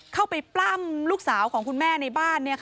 ปล้ำลูกสาวของคุณแม่ในบ้าน